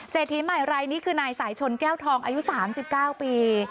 ทีใหม่รายนี้คือนายสายชนแก้วทองอายุ๓๙ปี